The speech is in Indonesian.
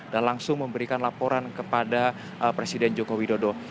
dan langsung memberikan laporan kepada presiden joko widodo